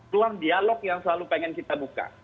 ruang dialog yang selalu pengen kita buka